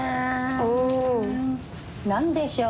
おお。何でしょう？